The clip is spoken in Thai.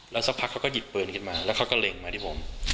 แล้วสักพักเขาก็หยิบปืนขึ้นมาแล้วเขาก็เล็งมาที่ผม